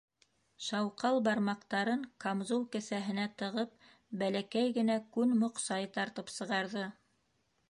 Шауҡал бармаҡтарын камзул кеҫәһенә тығып, бәләкәй генә күн моҡсай тартып сығарҙы.